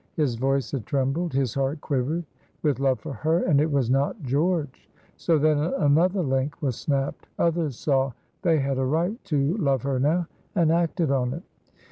His voice had trembled, his heart quivered, with love for her, and it was not George. So then another link was snapped. Others saw they had a right to love her now, and acted on it.